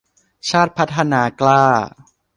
ชาติพัฒนากล้า